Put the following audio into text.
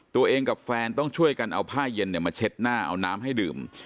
ตัวเองกับแฟนต้องช่วยกันเอาผ้าเย็นมาเช็ดหน้าเอาน้ำให้ดื่ม